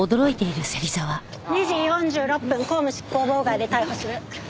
２時４６分公務執行妨害で逮捕する。